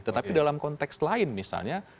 tetapi dalam konteks lain misalnya